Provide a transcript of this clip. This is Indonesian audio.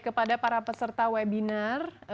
kepada para peserta webinar